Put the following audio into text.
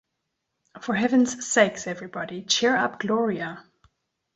For Heaven's sakes everybody, cheer up Gloria.